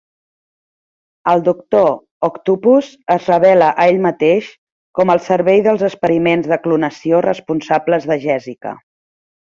El Doctor Octupus es revela a ell mateix com el cervell dels experiments de clonació responsables de Jessica.